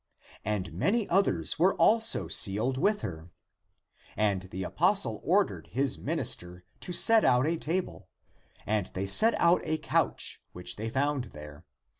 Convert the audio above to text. And many others were also sealed with her. And the apostle ordered his minister (deacon) to set out a table. And they set out a couch which they found there.